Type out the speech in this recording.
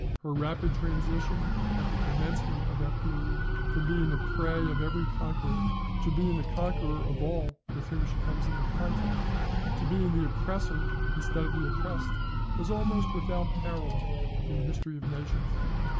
Her rapid transition at the commencement of that period from being the prey of every conqueror to being the conqueror of all with whom she comes into contact, to being the oppressor instead of the oppressed, is almost without a parallel in the history of nations.